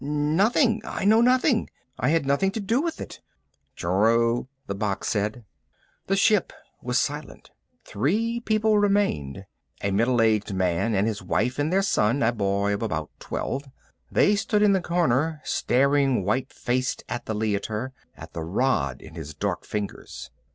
"Nothing I know nothing. I had nothing to do with it." "True," the box said. The ship was silent. Three people remained, a middle aged man and his wife and their son, a boy of about twelve. They stood in the corner, staring white faced at the Leiter, at the rod in his dark fingers.